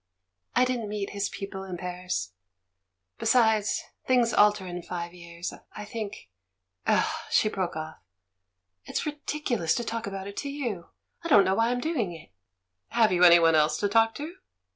"I didn't meet his people in Paris. Besides, things alter in five years; I think — Oh!" she broke off, "it's ridiculous to talk about it to you, I don't know why I'm doing it!" "Have you anybody else to talk to?"